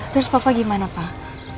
terus papa gimana pak